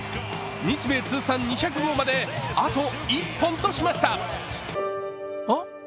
日米通算２００号まで、あと１本としました。